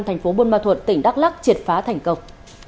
tp bôn ma thuật tỉnh đắk lắc triệt phá thành công